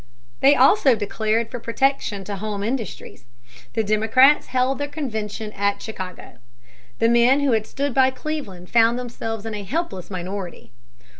They also declared for protection to home industries. The Democrats held their convention at Chicago. The men who had stood by Cleveland found themselves in a helpless minority.